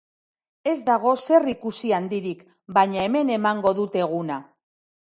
Ez dago zer ikusi handirik, baina hemen emango dut eguna.